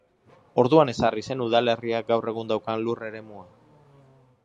Orduan ezarri zen udalerriak gaur egun daukan lur-eremua.